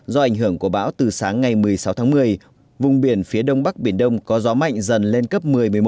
do ảnh hưởng của bão từ sáng ngày một mươi sáu tháng một mươi vùng biển phía đông bắc biển đông có gió mạnh dần lên cấp một mươi một mươi một